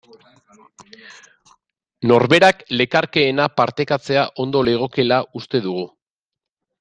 Norberak lekarkeena partekatzea ondo legokeela uste dugu.